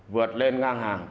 vượt lên ngang hàng